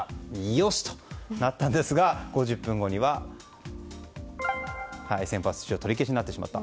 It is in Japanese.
よし！となったんですが５０分後には先発出場取り消しになってしまった。